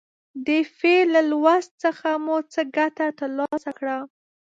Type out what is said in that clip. د فعل له لوست څخه مو څه ګټه تر لاسه کړه.